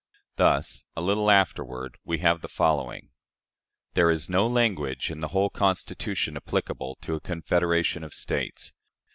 Thus, a little afterward, we have the following: "There is no language in the whole Constitution applicable to a confederation of States.